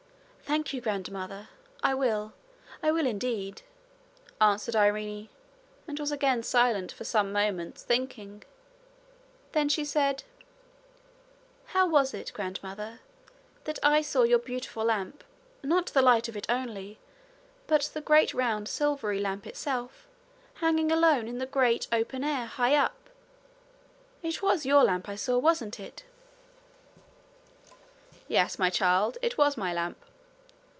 'Thank you, grandmother; I will I will indeed,' answered Irene, and was again silent for some moments thinking. Then she said: 'How was it, grandmother, that I saw your beautiful lamp not the light of it only but the great round silvery lamp itself, hanging alone in the great open air, high up? It was your lamp I saw wasn't it?' 'Yes, my child it was my lamp.'